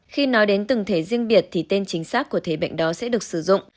khi nói đến từng thể riêng biệt thì tên chính xác của thế bệnh đó sẽ được sử dụng